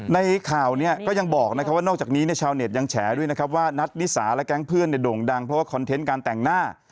ในข่าวเนี่ยก็ยังบอกนะครับว่านอกจากนี้ชาวเน็ตยังแฉด้วยนะครับว่านัทนิสาและแก๊งเพื่อนเนี่ยโด่งดังเพราะว่าคอนเทนต์การแต่งหน้า